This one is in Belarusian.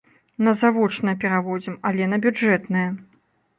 На завочнае пераводзім, але на бюджэтнае.